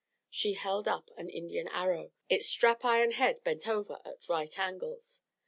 She held up an Indian arrow, its strap iron head bent over at right angles.